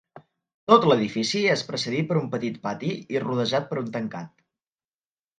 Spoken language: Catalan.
Tot l'edifici és precedit per un petit pati i rodejat per un tancat.